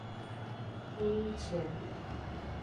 黑錢